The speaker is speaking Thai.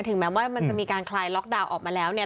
แม้ว่ามันจะมีการคลายล็อกดาวน์ออกมาแล้วเนี่ย